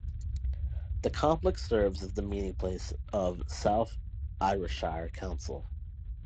The complex serves as the meeting place of South Ayrshire Council.